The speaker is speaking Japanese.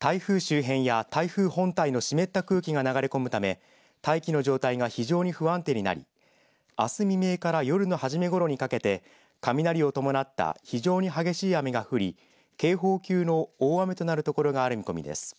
台風周辺や台風本体の湿った空気が流れ込むため大気の状態が非常に不安定になりあす未明から夜の初めごろにかけて雷を伴った非常に激しい雨が降り警報級の大雨となるところがある見込みです。